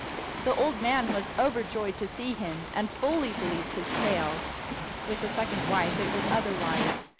The old man was overjoyed to see him, and fully believed his tale, but with the second wife it was otherwise.